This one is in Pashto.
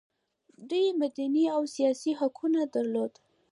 دوی مدني او سیاسي حقوق درلودل.